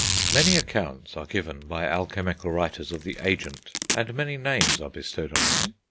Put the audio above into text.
Many accounts are given by alchemical writers of the agent, and many names are bestowed on it.